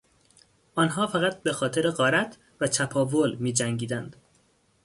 آنها فقط بهخاطر غارت و چپاول میجنگیدند.